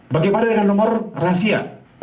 bagaimana dengan nomor rahasia